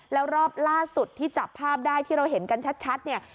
แล้วรอบล่าสุดที่จับภาพได้ที่เราเห็นกันชัดเนี่ย